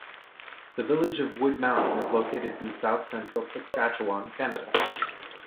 The village of Wood Mountain is located in south central Saskatchewan, Canada.